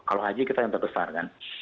kalau haji kita yang terbesar kan